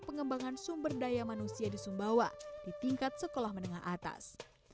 pengembangan sumber daya manusia di sumbawa di tingkat sekolah menengah atas